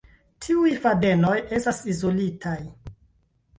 Tiuj fadenoj estas izolitaj.